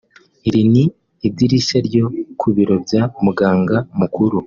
Iri ni idirishya ryo ku biro bya muganga mukuru